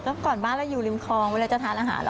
แล้วก่อนบ้านเราอยู่ริมคลองเวลาจะทานอาหาร